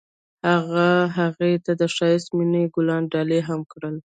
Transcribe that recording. هغه هغې ته د ښایسته مینه ګلان ډالۍ هم کړل.